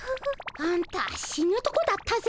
あんた死ぬとこだったぜ。